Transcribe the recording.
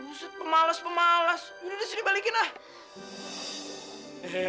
buset pemalas pemalas yaudah sini balikin ah